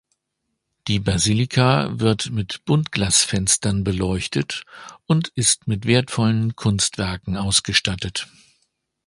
Die Basilika wird mit Buntglasfenstern beleuchtet und ist mit wertvollen Kunstwerken ausgestattet.